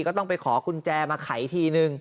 ก็ต้องไปขอกุญแจมาไขทีนึง